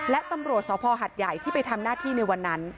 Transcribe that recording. และตำรวจสภหัดใหญ่ที่ไปทำหน้าที่ในวันนั้น